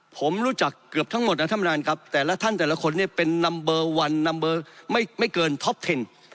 ผมรู้จักเกือบทั้งหมดนะท่านประธานครับแต่ละท่านแต่ละคนเนี่ยเป็นนัมเบอร์วันนำเบอร์ไม่เกินท็อปเทน